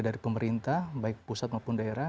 dari pemerintah baik pusat maupun daerah